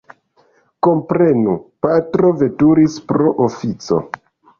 Komprenu, patro veturis pro oﬁco.